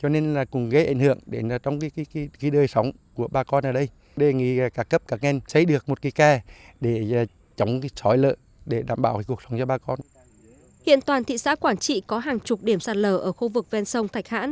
hiện toàn thị xã quảng trị có hàng chục điểm sạt lở ở khu vực ven sông thạch hãn